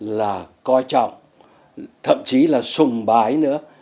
là coi trọng thậm chí là sùng bái nữa